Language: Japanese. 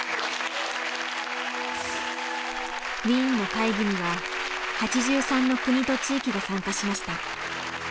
ウィーンの会議には８３の国と地域が参加しました。